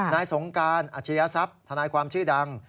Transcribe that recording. นายสงการอาชียทรัพย์ทนายความชื่อดัง